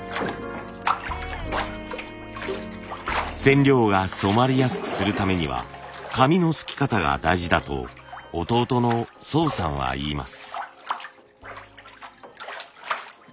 染料が染まりやすくするためには紙のすき方が大事だと弟の総さんは言います。